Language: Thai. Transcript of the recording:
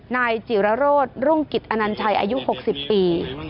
นายจิรโรธรุ่งกิจอนัญชัยอายุ๖๐ปี